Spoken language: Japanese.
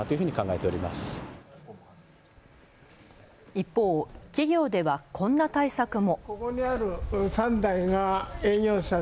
一方、企業ではこんな対策も。